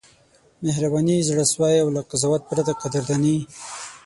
مهرباني، زړه سوی او له قضاوت پرته قدرداني: